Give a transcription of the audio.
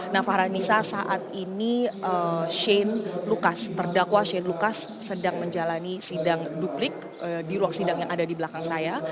nah farhanisa saat ini shane lucas terdakwa shane lucas sedang menjalani sidang duplik di ruang sidang yang ada di belakang saya